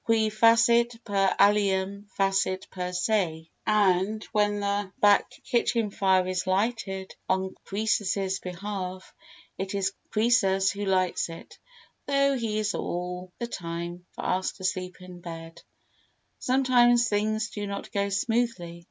Qui facit per alium facit per se, and when the back kitchen fire is lighted on Croesus's behalf, it is Croesus who lights it, though he is all the time fast asleep in bed. Sometimes things do not go smoothly.